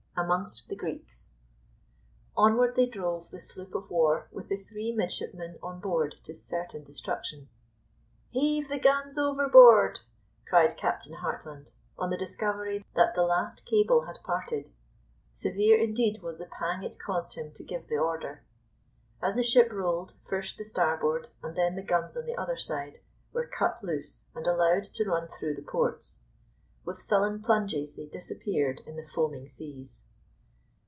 AMONGST THE GREEKS. Onward drove the sloop of war with the three midshipmen on board to certain destruction. "Heave the guns overboard!" cried Captain Hartland, on the discovery that the last cable had parted. Severe indeed was the pang it caused him to give the order. As the ship rolled, first the starboard, and then the guns on the other side, were cut loose and allowed to run through the ports. With sullen plunges they disappeared in the foaming seas.